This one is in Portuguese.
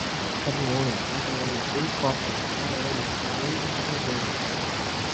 caminhões, aviões, helicópteros, aérea, manejo de rebanhos